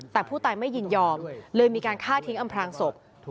แต่ผู้ตายไม่ยินยอมเลยมีการฆ่าทิ้งอำพลางศพ